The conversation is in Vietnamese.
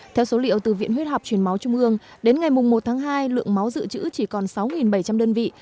theo số liệu từ viện huyết học truyền máu trung ương đến ngày một tháng hai lượng máu dự trữ chỉ còn sáu bảy trăm linh đơn vị